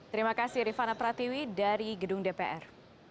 terima kasih rifana pratiwi dari gedung dpr